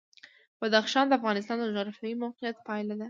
بدخشان د افغانستان د جغرافیایي موقیعت پایله ده.